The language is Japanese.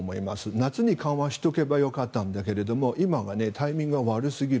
夏に緩和しておけばよかったんだけれども今はタイミングが悪すぎる。